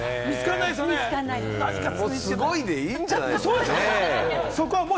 もう「すごい」でいいんじゃないですか。